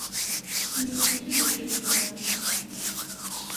Ini-yi-d kan d acu yeḍran!